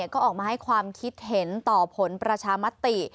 ก็ออกมาให้ความคิดเห็นต่อผลประชามติ